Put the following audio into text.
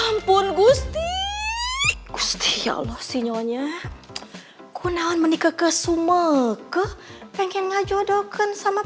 ampun gusti gusti allah sinyonya kunawan menikah ke sumegah pengen ngajodohkan sama